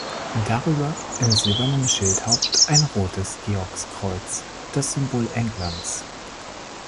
Darüber im silbernen Schildhaupt ein rotes Georgskreuz, das Symbol Englands.